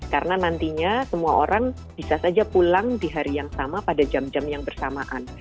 karena nantinya semua orang bisa saja pulang di hari yang sama pada jam jam yang bersamaan